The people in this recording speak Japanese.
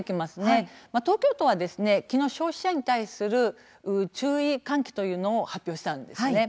東京都は昨日消費者に対する注意喚起というのを発表したんですね。